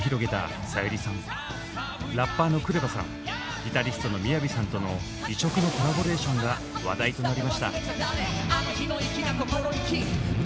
ラッパーのＫＲＥＶＡさんギタリストのＭＩＹＡＶＩさんとの異色のコラボレーションが話題となりました。